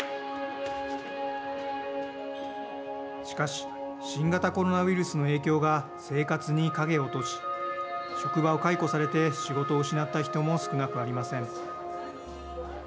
しかし、新型コロナウイルスの影響が生活に影を落とし職場を解雇されて仕事を失った人も少なくありません。